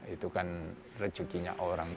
itu kan rezekinya orang